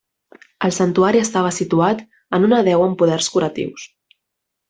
El santuari estava situat en una deu amb poders curatius.